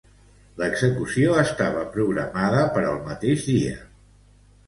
L'execució estava programada per al mateix dia.